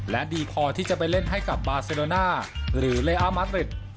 และดีพอที่จะไปเล่นให้กับบาเซโรน่าหรือเลอามัติริด